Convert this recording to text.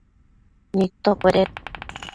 nidtocueded